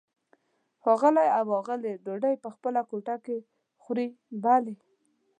ښاغلی او آغلې ډوډۍ په خپله کوټه کې خوري؟ بلې.